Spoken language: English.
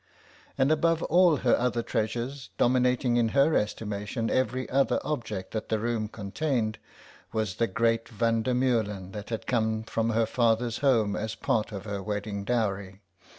And above all her other treasures, dominating in her estimation every other object that the room contained, was the great Van der Meulen that had come from her father's home as part of her wedding dowry.